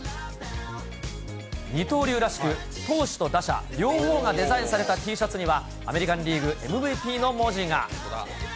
二刀流らしく、投手と打者両方がデザインされたＴシャツには、アメリカンリーグＭＶＰの文字が。